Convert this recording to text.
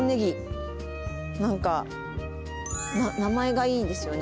何か名前がいいですよね